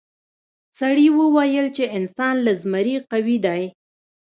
سړي وویل چې انسان له زمري قوي دی.